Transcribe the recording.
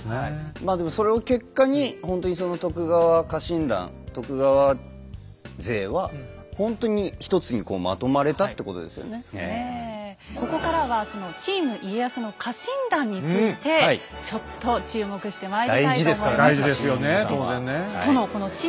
まあでもそれを結果にここからはそのチーム家康の家臣団についてちょっと注目してまいりたいと思います。